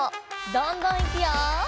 どんどんいくよ！